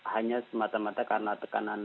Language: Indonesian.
hanya semata mata karena tekanan